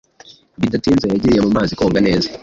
Bidatinze yagiye mu mazi koga neza